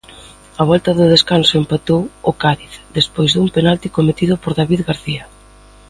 Á volta do descanso, empatou o Cádiz, despois dun penalti cometido por David García.